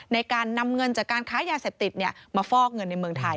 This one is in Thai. ในการนำเงินจากการค้ายาเสพติดมาฟอกเงินในเมืองไทย